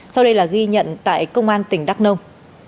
sau đây là ghi nhận tại công an tỉnh đắk nông